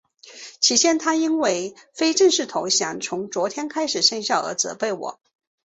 起先他因为非正式投降从昨天开始生效而责备我。